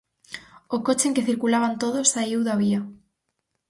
O coche en que circulaban todos saíu da vía.